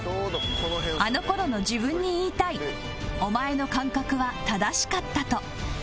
あの頃の自分に言いたい「お前の感覚は正しかった」と